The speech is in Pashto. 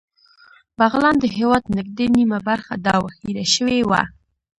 بغلان د هېواد نږدې نیمه برخه ده او هېره شوې وه